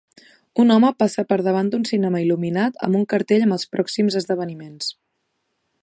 Un home passa per davant d'un cinema il·luminat amb un cartell amb els pròxims esdeveniments.